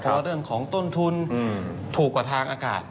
เพราะเรื่องของต้นทุนถูกกว่าทางอากาศ